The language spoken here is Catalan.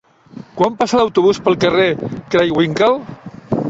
Quan passa l'autobús pel carrer Craywinckel?